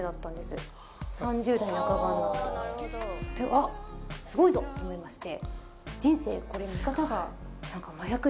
あっすごいぞ！と思いまして。